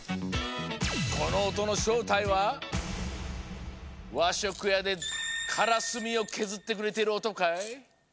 このおとのしょうたいはわしょくやでカラスミをけずってくれているおとかい？